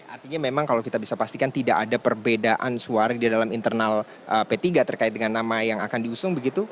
artinya memang kalau kita bisa pastikan tidak ada perbedaan suara di dalam internal p tiga terkait dengan nama yang akan diusung begitu